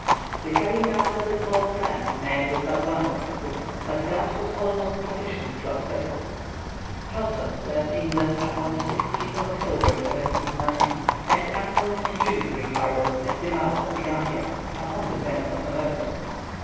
The carrying out of this bold plan met with but one obstacle, but that was almost sufficient to upset it. Houghton left England upon the 16th of October, 1790, and anchored in Jillifree harbour, at the mouth of the Gambia, upon the 10th of November.